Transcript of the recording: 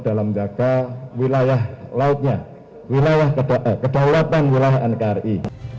dalam menjaga wilayah lautnya wilayah kedaulatan wilayah nkri